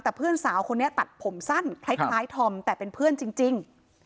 แต่เพื่อนสาวคนนี้ตัดผมสั้นคล้ายธอมแต่เป็นเพื่อนจริง